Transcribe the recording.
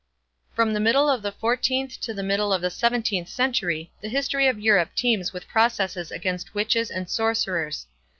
From the middle of the fourteenth to the middle of the seventeenth century the history of Europe teems with processes against witches and sorcerers.